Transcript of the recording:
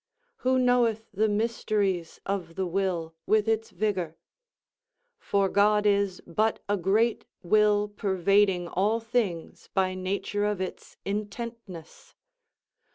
Who knoweth the mysteries of the will, with its vigor? For God is but a great will pervading all things by nature of its intentness.